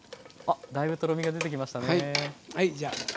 あだいぶとろみが出てきましたね。はいじゃあ。